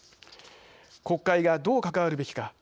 国会がどう関わるべきか。